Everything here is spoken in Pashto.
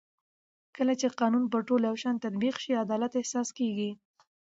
کله چې قانون پر ټولو یو شان تطبیق شي عدالت احساس کېږي